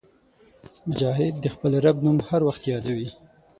مجاهد د خپل رب نوم هر وخت یادوي.